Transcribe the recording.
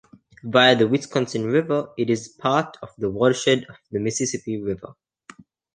Via the Wisconsin River, it is part of the watershed of the Mississippi River.